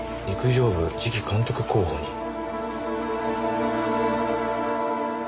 陸上部次期監督候補に」